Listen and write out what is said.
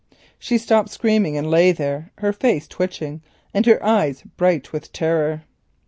She stopped screaming and lay there, her face twitching, and her eyes bright with terror.